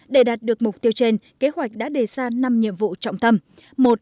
để đạt được mục tiêu trên kế hoạch đã đề ra năm nhiệm vụ trọng tâm